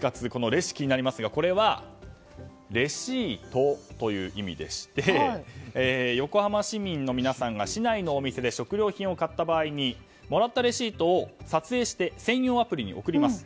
「レシ」が気になりますがこれはレシートという意味で横浜市民の皆さんが市内のお店で食料品を買った時にもらったレシートを撮影して専用アプリに送ります。